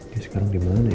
dia sekarang di mana ya